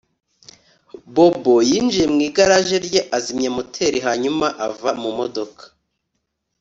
Bobo yinjiye mu igaraje rye azimya moteri hanyuma ava mu modoka